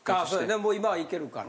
もう今は行けるから。